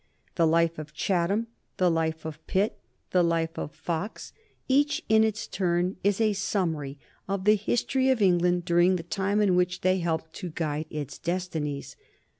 The life of Chatham, the life of Pitt, the life of Fox, each in its turn is a summary of the history of England during the time in which they helped to guide its destinies.